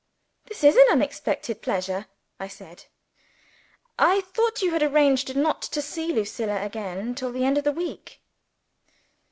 "This is an unexpected pleasure," I said. "I thought you had arranged not to see Lucilla again till the end of the week."